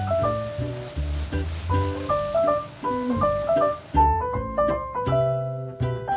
うん！